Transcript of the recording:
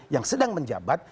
yang sedang menjabat